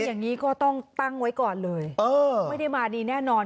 อย่างนี้ก็ต้องตั้งไว้ก่อนเลยไม่ได้มาดีแน่นอน